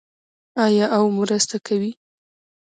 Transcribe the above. آیا او مرسته کوي؟